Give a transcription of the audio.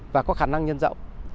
và có khả năng nhân rộng